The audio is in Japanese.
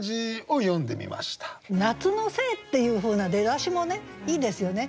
「夏のせい」っていうふうな出だしもいいですよね。